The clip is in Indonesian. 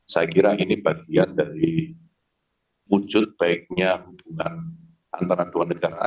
saya kira ini bagian dari wujud baiknya hubungan antara dua negara